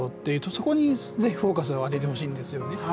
そこに是非フォーカスを当ててほしいんですよね。